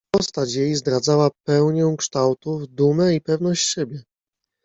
"Postać jej zdradzała pełnię kształtów, dumę i pewność siebie."